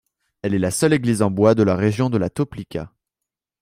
Elle est la seule église en bois de la région de la Toplica..